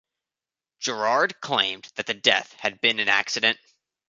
Girard claimed that the death had been an accident.